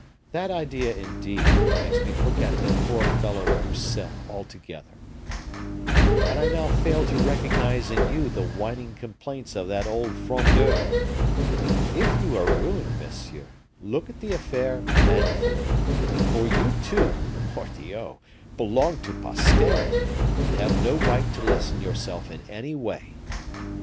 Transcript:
That idea, indeed, makes me forget that poor fellow Broussel altogether; and I now fail to recognize in you the whining complaints of that old Frondeur. If you are ruined, monsieur, look at the affair manfully, for you too, mordioux! belong to posterity, and have no right to lessen yourself in any way.